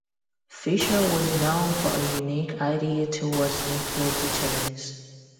Fisher was known for a unique idea towards nuclear deterrence.